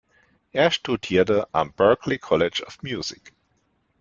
Er studierte am Berklee College of Music.